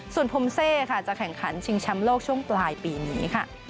ส่วนภูมิเซ่จะแข่งขันชิงช้ำโลกช่วงปลายปีนี้